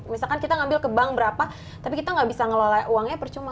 misalkan kita ngambil ke bank berapa tapi kita nggak bisa ngelola uangnya percuma